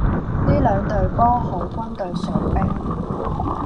呢兩隊波海軍對水兵